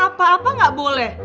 apa apa gak boleh